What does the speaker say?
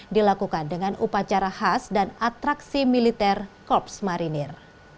dilakukan dengan upacara khas dan atraksi militer korps marinir